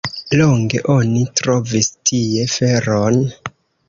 Longe oni trovis tie feron.